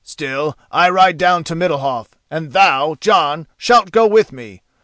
Still, I ride down to Middalhof, and thou, Jon, shalt go with me.